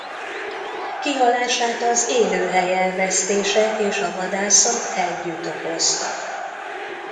Kihalását az élőhely elvesztése és a vadászat együtt okozta.